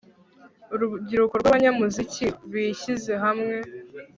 urubyiruko rw'abanyamuziki, bishyize hamwe